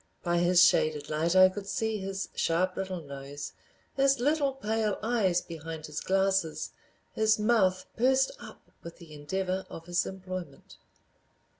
By his shaded light I could see his sharp little nose, his little pale eyes behind his glasses, his mouth pursed up with the endeavor of his employment.